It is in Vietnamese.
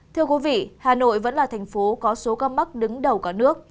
thưa quý vị hà nội vẫn là thành phố có số ca mắc đứng đầu cả nước